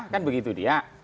kan begitu dia